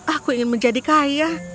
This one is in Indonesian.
aku ingin menjadi kaya